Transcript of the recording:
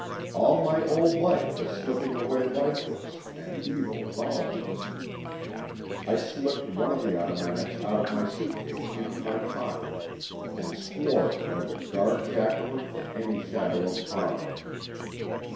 All my old life was slipping away like this and evil following us. I slipped one of the automatics out of my suit case into my pocket and swore that I would guard Jacqueline from any shadow of harm.